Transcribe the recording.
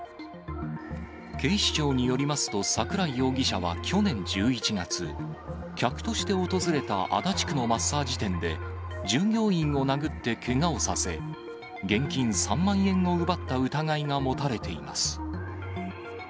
警視庁によりますと、桜井容疑者は去年１１月、客として訪れた足立区のマッサージ店で、従業員を殴ってけがをさせ、現金３万円を奪った疑いが持たれています。